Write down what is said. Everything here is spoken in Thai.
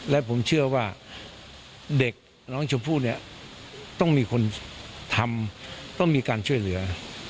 และผมเชื่อว่าเด็กน้องชมพู่เนี่ยต้องมีคนทำต้องมีการช่วยเหลือ